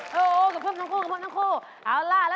ถูกกว่า